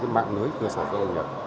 mạng lưới cơ sở giáo dục nghề nghiệp